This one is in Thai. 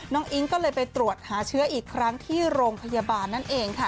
อิ๊งก็เลยไปตรวจหาเชื้ออีกครั้งที่โรงพยาบาลนั่นเองค่ะ